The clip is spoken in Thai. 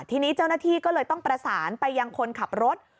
ทีนี้เจ้าหน้าที่ก็เลยต้องประสานไปยังคนขับรถ